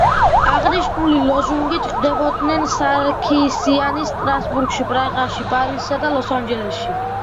აღნიშნული ლოზუნგით ხვდებოდნენ სარქისიანს სტრასბურგში, პრაღაში, პარიზსა და ლოს-ანჯელესში.